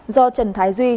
do trần thái duy